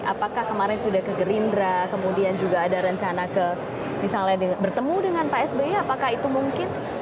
apakah kemarin sudah ke gerindra kemudian juga ada rencana ke misalnya bertemu dengan pak sby apakah itu mungkin